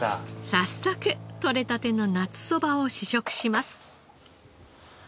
早速とれたての夏そばを試食します。